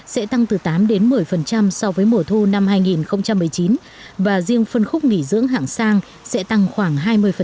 sẽ tăng từ tám đến một mươi so với mùa thu năm hai nghìn một mươi chín và riêng phân khúc nghỉ dưỡng hạng sang sẽ tăng khoảng hai mươi